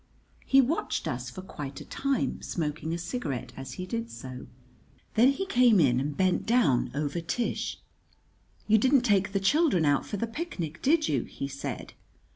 He watched us for quite a time, smoking a cigarette as he did so. Then he came in and bent down over Tish. "You didn't take the children out for the picnic, did you?" he said.